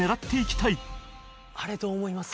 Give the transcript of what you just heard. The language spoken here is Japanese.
あれどう思います？